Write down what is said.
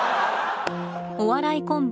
お笑いコンビ